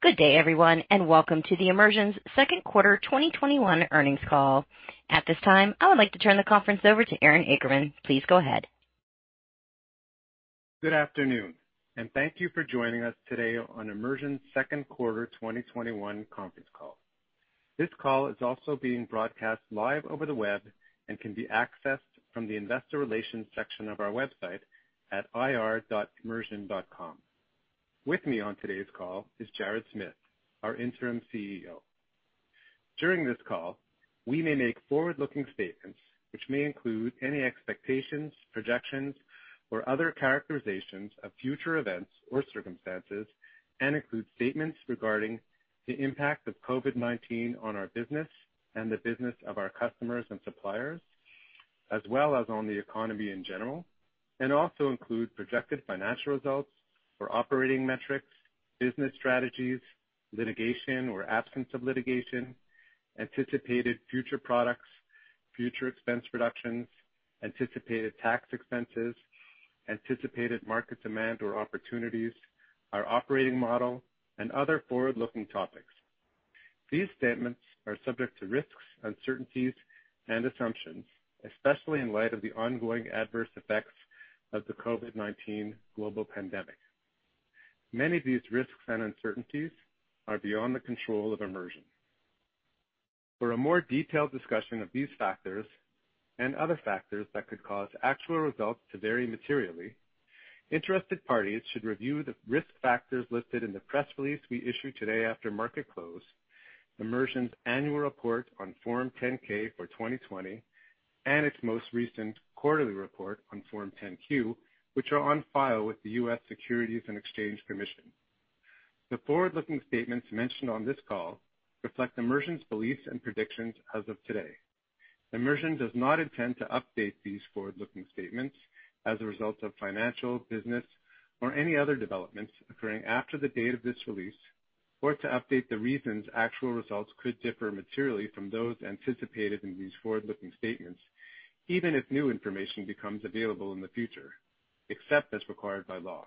Good day, everyone, and welcome to the Immersion's second quarter 2021 earnings call. At this time, I would like to turn the conference over to Aaron Akerman. Please go ahead. Good afternoon, and thank you for joining us today on Immersion's second quarter 2021 conference call. This call is also being broadcast live over the web and can be accessed from the investor relations section of our website at ir.immersion.com. With me on today's call is Jared Smith, our Interim CEO. During this call, we may make forward-looking statements, which may include any expectations, projections, or other characterizations of future events or circumstances, include statements regarding the impact of COVID-19 on our business and the business of our customers and suppliers, as well as on the economy in general. Also include projected financial results for operating metrics, business strategies, litigation or absence of litigation, anticipated future products, future expense reductions, anticipated tax expenses, anticipated market demand or opportunities, our operating model, and other forward-looking topics. These statements are subject to risks, uncertainties, and assumptions, especially in light of the ongoing adverse effects of the COVID-19 global pandemic. Many of these risks and uncertainties are beyond the control of Immersion. For a more detailed discussion of these factors and other factors that could cause actual results to vary materially, interested parties should review the risk factors listed in the press release we issued today after market close, Immersion's annual report on Form 10-K for 2020, and its most recent quarterly report on Form 10-Q, which are on file with the U.S. Securities and Exchange Commission. The forward-looking statements mentioned on this call reflect Immersion's beliefs and predictions as of today. Immersion does not intend to update these forward-looking statements as a result of financial, business, or any other developments occurring after the date of this release, or to update the reasons actual results could differ materially from those anticipated in these forward-looking statements, even if new information becomes available in the future, except as required by law.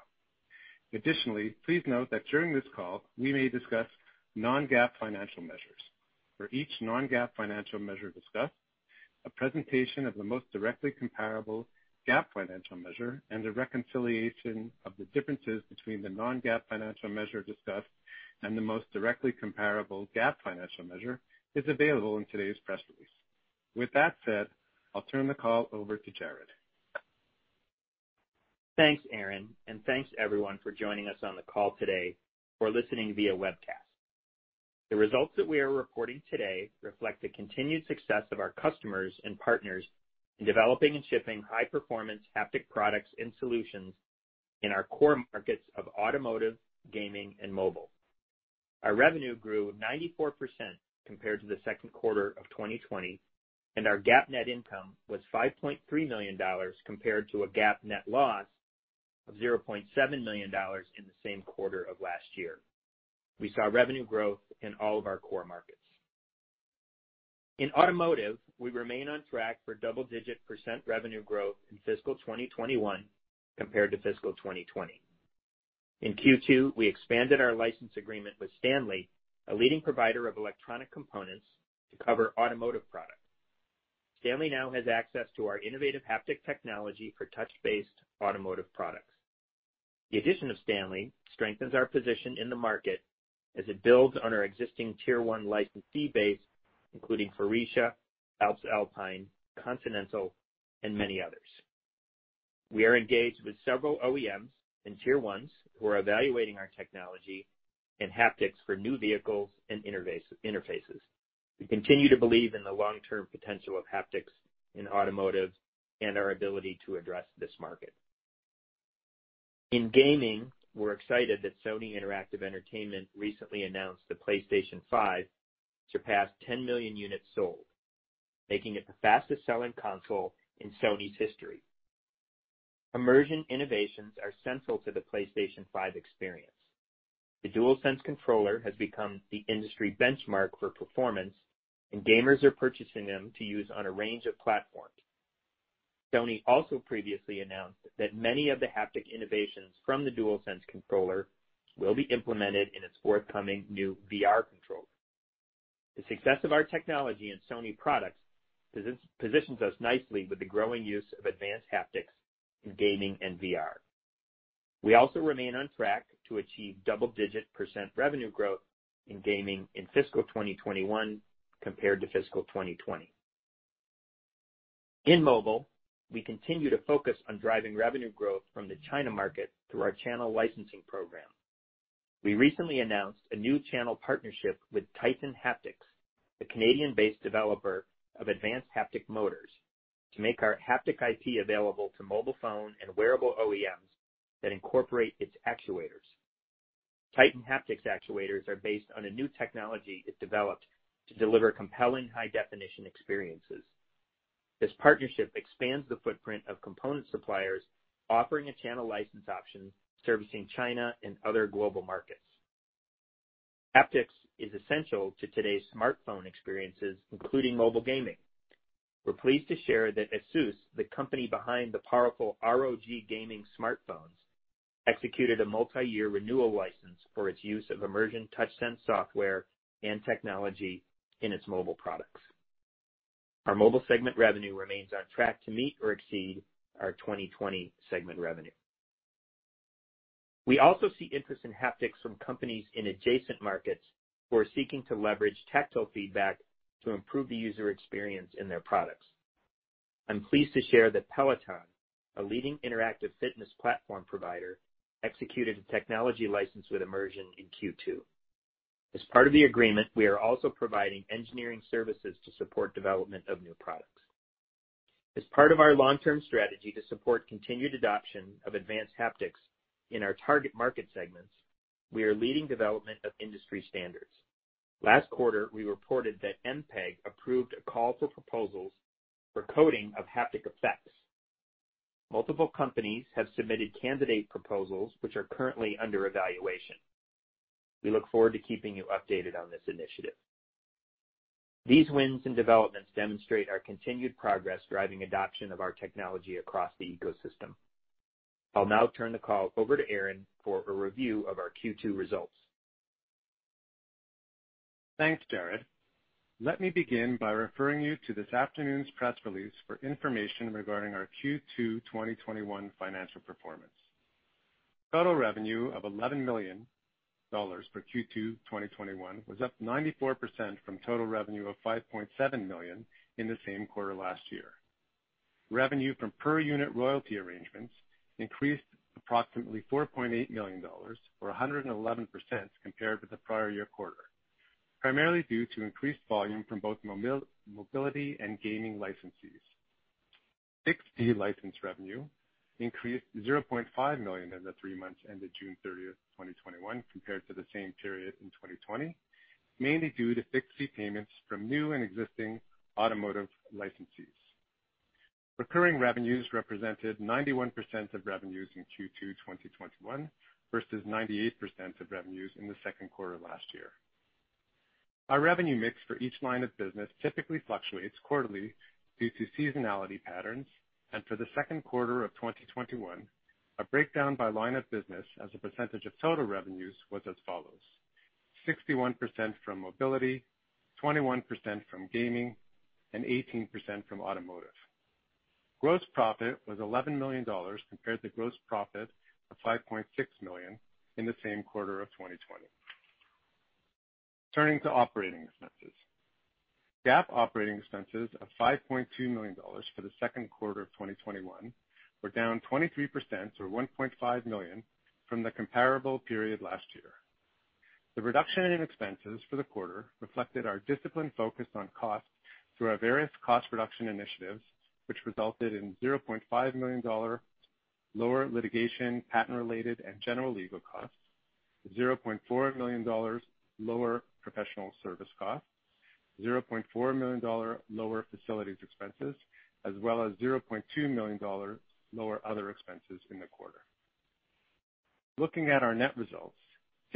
Additionally, please note that during this call, we may discuss non-GAAP financial measures. For each non-GAAP financial measure discussed, a presentation of the most directly comparable GAAP financial measure and a reconciliation of the differences between the non-GAAP financial measure discussed and the most directly comparable GAAP financial measure is available in today's press release. With that said, I'll turn the call over to Jared. Thanks Aaron, and thanks, everyone, for joining us on the call today or listening via webcast. The results that we are reporting today reflect the continued success of our customers and partners in developing and shipping high-performance haptic products and solutions in our core markets of automotive, gaming, and mobile. Our revenue grew 94% compared to the second quarter of 2020, and our GAAP net income was $5.3 million compared to a GAAP net loss of $0.7 million in the same quarter of last year. We saw revenue growth in all of our core markets. In automotive, we remain on track for double-digit percent revenue growth in fiscal 2021 compared to fiscal 2020. In Q2, we expanded our license agreement with Stanley, a leading provider of electronic components to cover automotive products. Stanley now has access to our innovative haptic technology for touch-based automotive products. The addition of Stanley strengthens our position in the market as it builds on our existing tier-1 licensee base, including Faurecia, Alps Alpine, Continental, and many others. We are engaged with several OEMs and tier 1s who are evaluating our technology and haptics for new vehicles and interfaces. We continue to believe in the long-term potential of haptics in automotive and our ability to address this market. In gaming, we're excited that Sony Interactive Entertainment recently announced the PlayStation 5 surpassed 10 million units sold, making it the fastest-selling console in Sony's history. Immersion innovations are central to the PlayStation 5 experience. The DualSense controller has become the industry benchmark for performance, and gamers are purchasing them to use on a range of platforms. Sony also previously announced that many of the haptic innovations from the DualSense controller will be implemented in its forthcoming new VR controller. The success of our technology in Sony products positions us nicely with the growing use of advanced haptics in gaming and VR. We also remain on track to achieve double-digit percent revenue growth in gaming in fiscal 2021 compared to fiscal 2020. In mobile, we continue to focus on driving revenue growth from the China market through our channel licensing program. We recently announced a new channel partnership with Titan Haptics, a Canadian-based developer of advanced haptic motors, to make our haptic IP available to mobile phone and wearable OEMs that incorporate its actuators. Titan Haptics actuators are based on a new technology it developed to deliver compelling high-definition experiences. This partnership expands the footprint of component suppliers offering a channel license option servicing China and other global markets. Haptics is essential to today's smartphone experiences, including mobile gaming. We're pleased to share that Asus, the company behind the powerful ROG gaming smartphones, executed a multi-year renewal license for its use of Immersion TouchSense software and technology in its mobile products. Our mobile segment revenue remains on track to meet or exceed our 2020 segment revenue. We also see interest in haptics from companies in adjacent markets who are seeking to leverage tactile feedback to improve the user experience in their products. I'm pleased to share that Peloton, a leading interactive fitness platform provider, executed a technology license with Immersion in Q2. As part of the agreement, we are also providing engineering services to support development of new products. As part of our long-term strategy to support continued adoption of advanced haptics in our target market segments, we are leading development of industry standards. Last quarter, we reported that MPEG approved a call for proposals for coding of haptic effects. Multiple companies have submitted candidate proposals which are currently under evaluation. We look forward to keeping you updated on this initiative. These wins and developments demonstrate our continued progress driving adoption of our technology across the ecosystem. I'll now turn the call over to Aaron for a review of our Q2 results. Thanks, Jared. Let me begin by referring you to this afternoon's press release for information regarding our Q2 2021 financial performance. Total revenue of $11 million for Q2 2021 was up 94% from total revenue of $5.7 million in the same quarter last year. Revenue from per unit royalty arrangements increased approximately $4.8 million, or 111%, compared with the prior year quarter, primarily due to increased volume from both mobility and gaming licensees. Fixed fee license revenue increased $0.5 million in the three months ended June 30th, 2021, compared to the same period in 2020, mainly due to fixed fee payments from new and existing automotive licensees. Recurring revenues represented 91% of revenues in Q2 2021 versus 98% of revenues in the second quarter of last year. Our revenue mix for each line of business typically fluctuates quarterly due to seasonality patterns, and for the second quarter of 2021, a breakdown by line of business as a percentage of total revenues was as follows: 61% from mobility, 21% from gaming, and 18% from automotive. Gross profit was $11 million, compared to gross profit of $5.6 million in the same quarter of 2020. Turning to operating expenses. GAAP operating expenses of $5.2 million for the second quarter of 2021 were down 23%, or $1.5 million from the comparable period last year. The reduction in expenses for the quarter reflected our disciplined focus on costs through our various cost reduction initiatives, which resulted in $0.5 million lower litigation, patent-related, and general legal costs, $0.4 million lower professional service costs, $0.4 million lower facilities expenses, as well as $0.2 million lower other expenses in the quarter. Looking at our net results,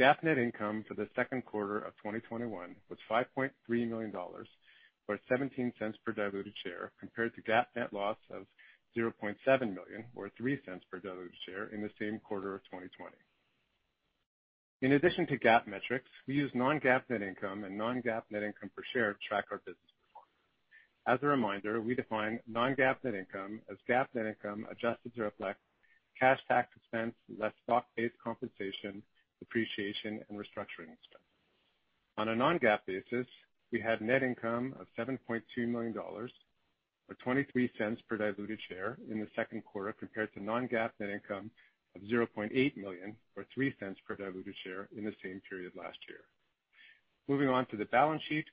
GAAP net income for the second quarter of 2021 was $5.3 million, or $0.17 per diluted share, compared to GAAP net loss of $0.7 million, or $0.03 per diluted share in the same quarter of 2020. In addition to GAAP metrics, we use non-GAAP net income and non-GAAP net income per share to track our business performance. As a reminder, we define non-GAAP net income as GAAP net income adjusted to reflect cash tax expense, less stock-based compensation, depreciation, and restructuring expense. On a non-GAAP basis, we had net income of $7.2 million, or $0.23 per diluted share in the second quarter, compared to non-GAAP net income of $0.8 million, or $0.03 per diluted share in the same period last year. Moving on to the balance sheet.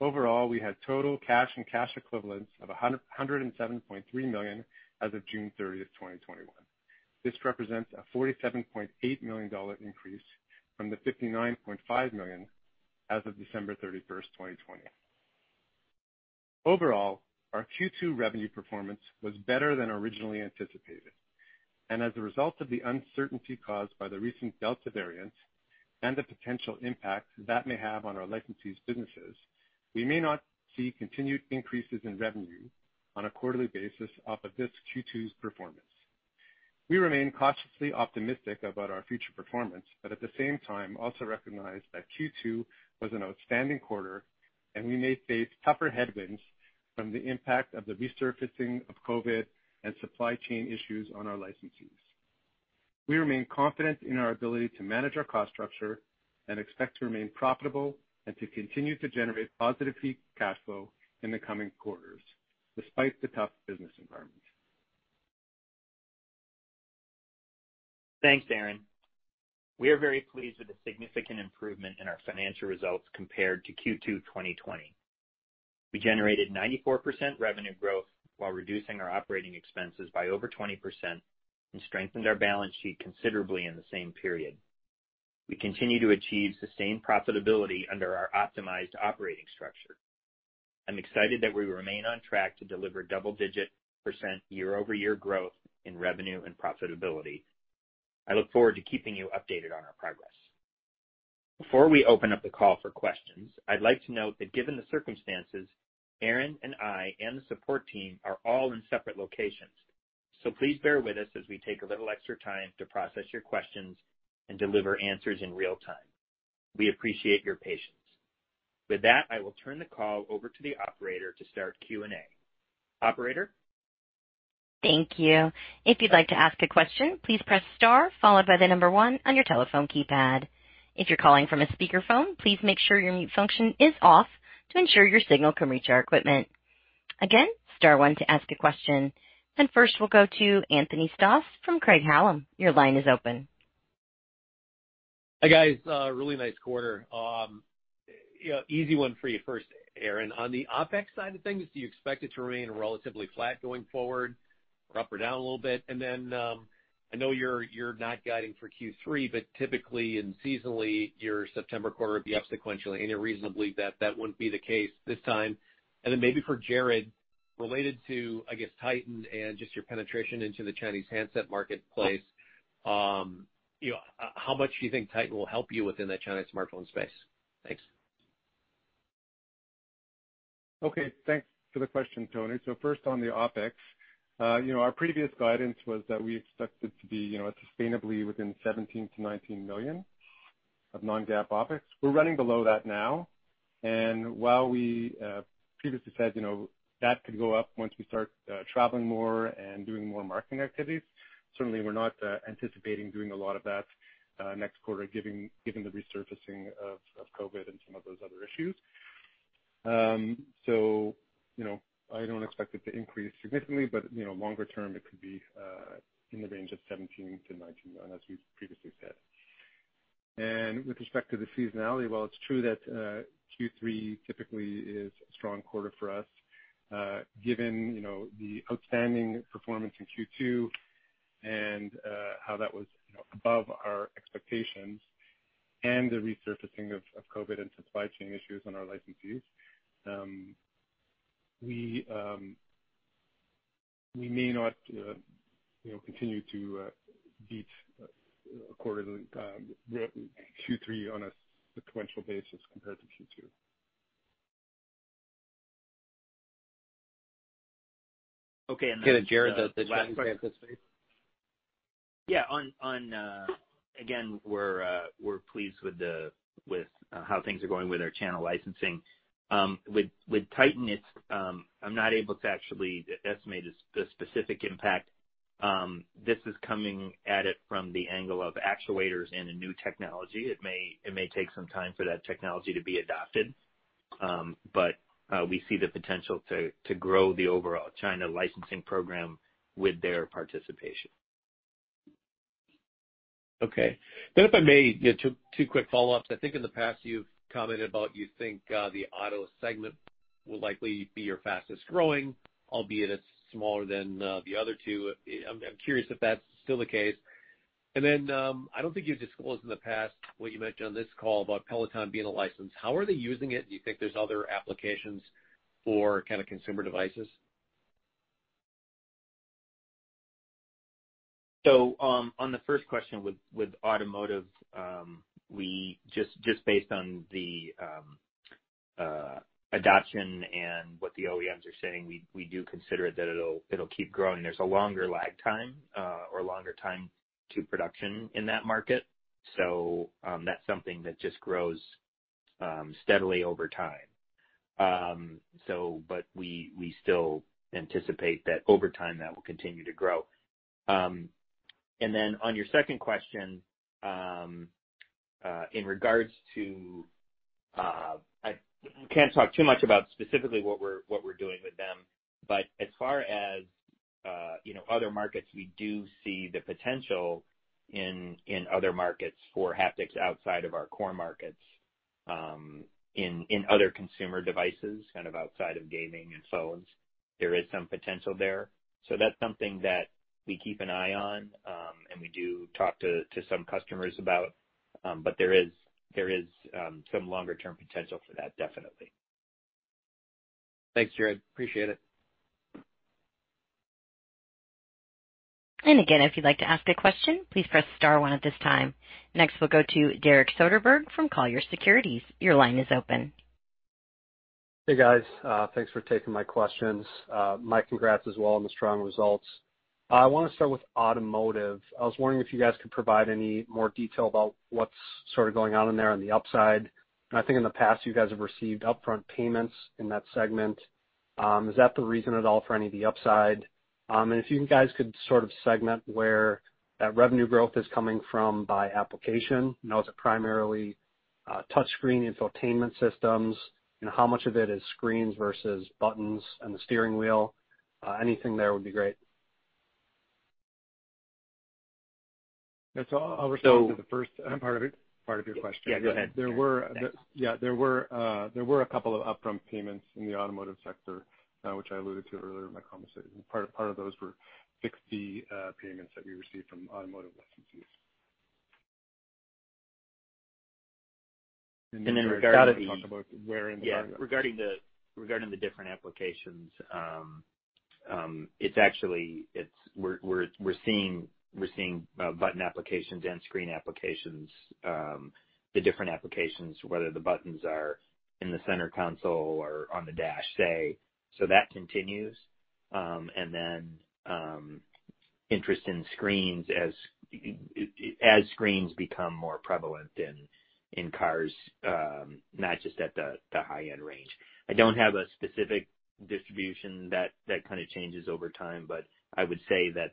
Overall, we had total cash and cash equivalents of $107.3 million as of June 30th, 2021. This represents a $47.8 million increase from the $59.5 million as of December 31st, 2020. Overall, our Q2 revenue performance was better than originally anticipated. As a result of the uncertainty caused by the recent Delta variant and the potential impact that may have on our licensees' businesses, we may not see continued increases in revenue on a quarterly basis off of this Q2's performance. We remain cautiously optimistic about our future performance, but at the same time, also recognize that Q2 was an outstanding quarter, and we may face tougher headwinds from the impact of the resurfacing of COVID and supply chain issues on our licensees. We remain confident in our ability to manage our cost structure and expect to remain profitable and to continue to generate positive free cash flow in the coming quarters despite the tough business environment. Thanks, Aaron. We are very pleased with the significant improvement in our financial results compared to Q2 2020. We generated 94% revenue growth while reducing our operating expenses by over 20% and strengthened our balance sheet considerably in the same period. We continue to achieve sustained profitability under our optimized operating structure. I'm excited that we remain on track to deliver double-digit percent year-over-year growth in revenue and profitability. I look forward to keeping you updated on our progress. Before we open up the call for questions, I'd like to note that given the circumstances, Aaron and I and the support team are all in separate locations. Please bear with us as we take a little extra time to process your questions and deliver answers in real time. We appreciate your patience. With that, I will turn the call over to the operator to start Q&A. Operator? Thank you. If you'd like to ask a question, please press star followed by the number one on your telephone keypad. If you're calling from a speakerphone, please make sure your mute function is off to ensure your signal can reach our equipment. Again, star one to ask a question. First we'll go to Anthony Stoss from Craig-Hallum. Your line is open. Hi, guys. A really nice quarter. Easy one for you first, Aaron. On the OpEx side of things, do you expect it to remain relatively flat going forward or up or down a little bit? I know you're not guiding for Q3, but typically and seasonally, your September quarter would be up sequentially, and you reasonably that wouldn't be the case this time. Maybe for Jared, related to, I guess, Titan and just your penetration into the Chinese handset marketplace, how much do you think Titan will help you within that Chinese smartphone space? Thanks. Okay. Thanks for the question, Anthony. First on the OpEx. Our previous guidance was that we expected to be sustainably within $17 million-$19 million of non-GAAP OpEx. We're running below that now. While we previously said that could go up once we start traveling more and doing more marketing activities, certainly we're not anticipating doing a lot of that next quarter, given the resurfacing of COVID and some of those other issues. I don't expect it to increase significantly, but longer term, it could be in the range of $17 million-$19 million, as we've previously said. With respect to the seasonality, while it's true that Q3 typically is a strong quarter for us, given the outstanding performance in Q2 and how that was above our expectations and the resurfacing of COVID and some supply chain issues on our licensees, we may not continue to beat Q3 on a sequential basis compared to Q2. Okay. The last part. Jared, the China handset space. Yeah. Again, we're pleased with how things are going with our channel licensing. With Titan, I'm not able to actually estimate the specific impact. This is coming at it from the angle of actuators and a new technology. It may take some time for that technology to be adopted. We see the potential to grow the overall China licensing program with their participation. Okay. If I may, two quick follow-ups. I think in the past you've commented about you think the auto segment will likely be your fastest growing, albeit it's smaller than the other two. I'm curious if that's still the case. I don't think you've disclosed in the past what you mentioned on this call about Peloton being a license. How are they using it? Do you think there's other applications for kind of consumer devices? On the first question with automotive, just based on the adoption and what the OEMs are saying, we do consider that it'll keep growing. There's a longer lag time, or longer time to production in that market. That's something that just grows steadily over time. We still anticipate that over time that will continue to grow. Then on your second question, I can't talk too much about specifically what we're doing with them. As far as other markets, we do see the potential in other markets for haptics outside of our core markets, in other consumer devices, kind of outside of gaming and phones. There is some potential there. That's something that we keep an eye on, and we do talk to some customers about, but there is some longer-term potential for that, definitely. Thanks, Jared. Appreciate it. Again, if you'd like to ask a question, please press star one at this time. Next we'll go to Derek Soderberg from Colliers Securities. Your line is open. Hey, guys. Thanks for taking my questions. My congrats as well on the strong results. I want to start with automotive. I was wondering if you guys could provide any more detail about what's sort of going on in there on the upside. I think in the past, you guys have received upfront payments in that segment. Is that the reason at all for any of the upside? If you guys could sort of segment where that revenue growth is coming from by application. Now is it primarily touchscreen infotainment systems, how much of it is screens versus buttons and the steering wheel? Anything there would be great. I'll respond to the first part of your question. Yeah, go ahead. There were a couple of upfront payments in the automotive sector, which I alluded to earlier in my conversation. Part of those were fix fee payments that we received from automotive licensees. And then regarding the- You want to talk about where in the market? Regarding the different applications, it's actually, we're seeing button applications and screen applications, the different applications, whether the buttons are in the center console or on the dash, say. That continues. Interest in screens as screens become more prevalent in cars, not just at the high-end range. I don't have a specific distribution that kind of changes over time. I would say that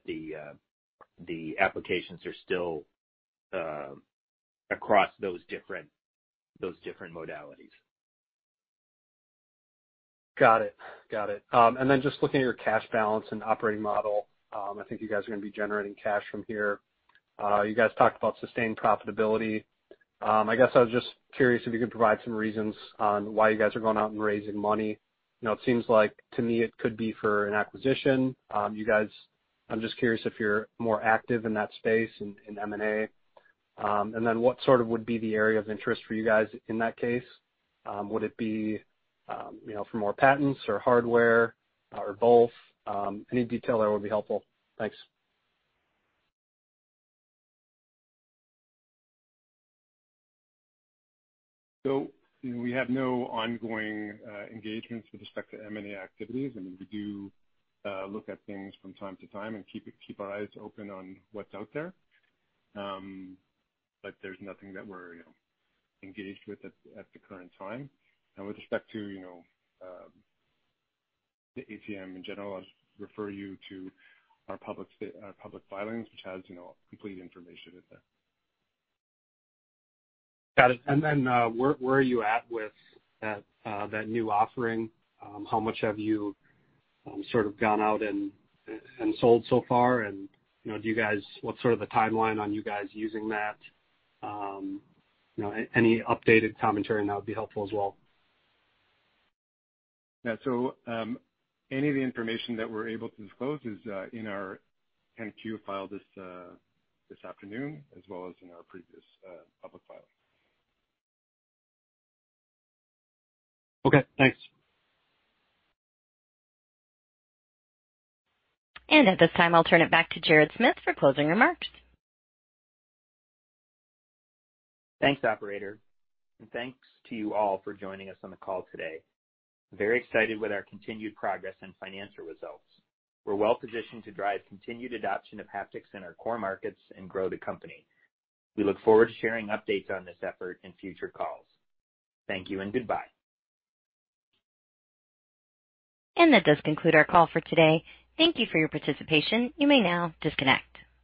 the applications are still across those different modalities. Got it. Just looking at your cash balance and operating model, I think you guys are going to be generating cash from here. You guys talked about sustained profitability. I guess I was just curious if you could provide some reasons on why you guys are going out and raising money. It seems like, to me, it could be for an acquisition. I'm just curious if you're more active in that space, in M&A. What would be the area of interest for you guys in that case? Would it be for more patents or hardware or both? Any detail there would be helpful. Thanks. We have no ongoing engagements with respect to M&A activities. I mean, we do look at things from time to time and keep our eyes open on what's out there. There's nothing that we're engaged with at the current time. With respect to the ATM in general, I'll just refer you to our public filings, which has complete information in there. Got it. Where are you at with that new offering? How much have you sort of gone out and sold so far? What's sort of the timeline on you guys using that? Any updated commentary on that would be helpful as well. Yeah. Any of the information that we're able to disclose is in our 10-Q filed this afternoon, as well as in our previous public filings. Okay, thanks. At this time, I'll turn it back to Jared Smith for closing remarks. Thanks, operator. Thanks to you all for joining us on the call today. I'm very excited with our continued progress and financial results. We're well-positioned to drive continued adoption of haptics in our core markets and grow the company. We look forward to sharing updates on this effort in future calls. Thank you and goodbye. That does conclude our call for today. Thank you for your participation. You may now disconnect.